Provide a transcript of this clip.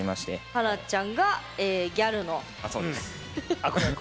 華ちゃんがギャルの。